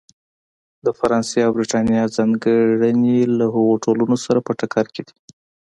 د فرانسې او برېټانیا ځانګړنې له هغو ټولنو سره په ټکر کې دي.